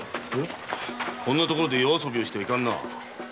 こんな所で夜遊びをしてはいかんな。